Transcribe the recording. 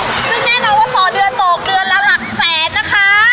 ซึ่งแน่นอนว่าต่อเดือนตกเดือนละหลักแสนนะคะ